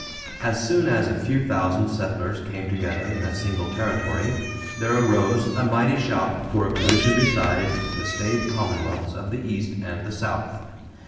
As soon as a few thousand settlers came together in a single territory, there arose a mighty shout for a position beside the staid commonwealths of the East and the South.